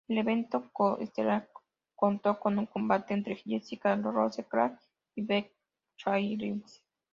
El evento co-estelar contó con un combate entre Jessica Rose-Clark y Bec Rawlings.